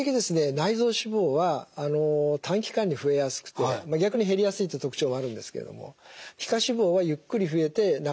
内臓脂肪は短期間に増えやすくて逆に減りやすいっていう特徴もあるんですけれども皮下脂肪はゆっくり増えてなかなか減りにくい。